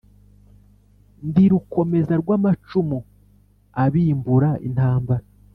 Ndi Rukomeza rw’ amacumu abimbura intambara